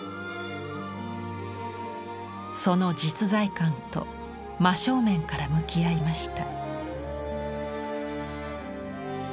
その実在感と真正面から向き合いました。